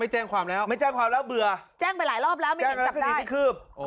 ไม่แจ้งความแล้วเบื้อแจ้งคนอื่นพี่ครืบ